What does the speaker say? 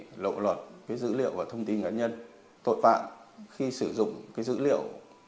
thì lộ lọt cái dữ liệu và thông tin cá nhân tội phạm khi sử dụng cái dữ liệu